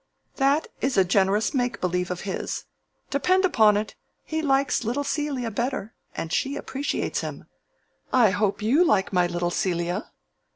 "That is a generous make believe of his. Depend upon it, he likes little Celia better, and she appreciates him. I hope you like my little Celia?"